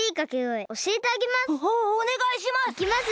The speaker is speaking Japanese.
おおねがいします！